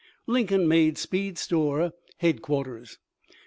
Lincoln made Speed's store headquarters.